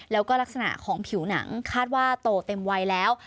แล้วก็ลักษณะของผิวหนังคาดว่าโตเต็มวัยแล้ว